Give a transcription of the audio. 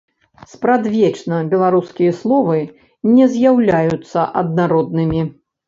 Спрадвечна беларускія словы не з'яўляюцца аднароднымі.